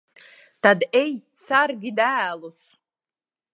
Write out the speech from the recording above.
Tad ej, sargi dēlus.